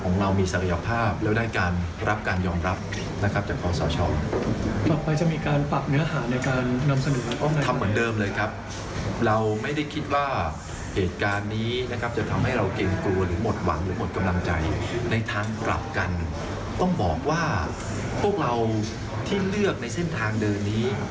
ในทางกลับกันต้องบอกว่าพวกเราที่เลือกในเส้นทางเดินนี้